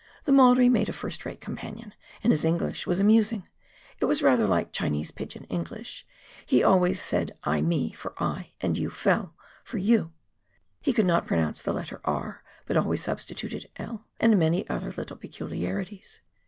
The Maori made a first rate companion, and his EngKsh was amusing — it was rather like Chinese pigeon English ; he always said "I me" for "I," and "you fell'" for "you"; he could not pronounce the letter E.," but always substi tuted " L," and many other little peculiarities.